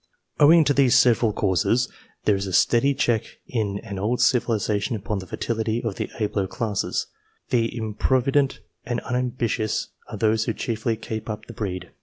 Owing to these several causes, there is a steady check in an old civilization upon the fertility of the abler classes ; the improvident and unambitious are those who chiefly keep up the breed.